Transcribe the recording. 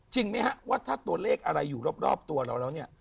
ไหมฮะว่าถ้าตัวเลขอะไรอยู่รอบตัวเราแล้วเนี่ย